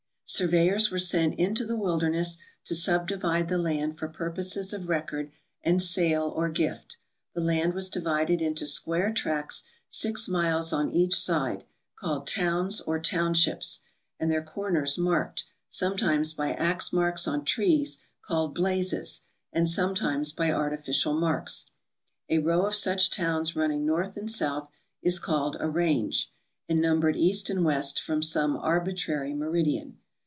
Surveyors were sent into the wilderness to subdivide the land for purposes of record and sale or gift. The land Avas divided into square tracts six miles on each side, called towns or townships, and their corners marked, sometimes by ax marks on trees called blazes, and sometimes by artificial marks. A row of such towns run ning north and south is called a ravge, and numbered E. and W. from some arbitrary meridian.